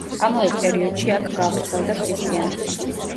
ამავე პერიოდში აქ გავრცელდა ქრისტიანობა.